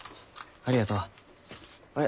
ありがとう。あれ？